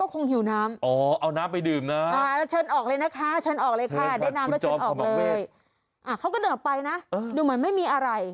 เค้าก็เดินออกไปนะดูต้องไม่มีอะไร